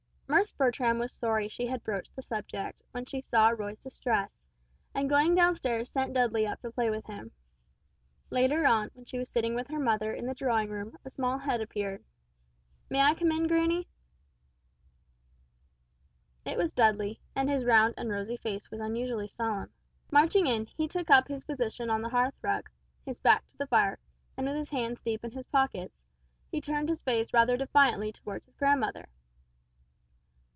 Miss Bertram was sorry she had broached the subject, when she saw Roy's distress, and going downstairs sent Dudley up to play with him. Later on when she was sitting with her mother in the drawing room a small head appeared. "May I come in, granny?" It was Dudley, and his round and rosy face was unusually solemn. Marching in he took up his position on the hearth rug, his back to the fire, and with his hands deep in his pockets, he turned his face rather defiantly toward his grandmother.